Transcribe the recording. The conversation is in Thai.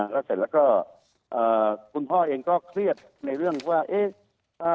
แล้วเสร็จแล้วก็คุณพ่อเองก็เครียดในเรื่องว่าเอ๊ะ